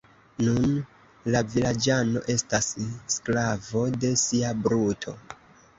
Nun la vilaĝano estas sklavo de sia bruto.